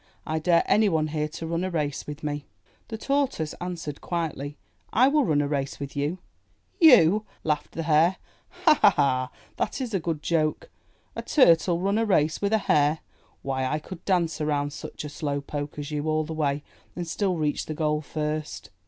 I dare anyone here to run a race with me/' The Tortoise answered quietly, *T will run a race with you/' "You!" laughed the Hare, "Hah! Hah! Hah! That is a good joke. A Turtle run a race with a Hare! Why, I could dance around such a slow poke as you all the way, and still reach the goal first.'